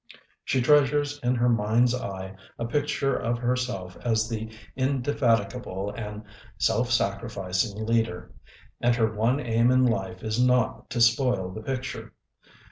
She treasures in her mind's eye a picture of herself as the indefatigable and self sac rificing leader, and her one aim in life is not to spoil the picture.